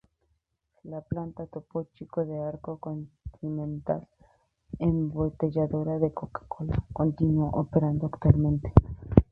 La planta Topo Chico de Arca Continental, embotelladora de Coca-Cola, continúa operando actualmente.